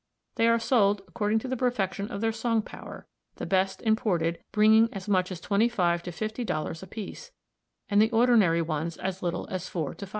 They are sold according to the perfection of their song power, the best imported bringing as much as $25 to $50 apiece, and ordinary ones as little as $4 to $5.